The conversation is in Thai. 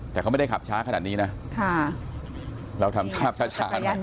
แต่เขาไม่ได้ขับช้าขนาดนี้นะเราทำภาพช้านะ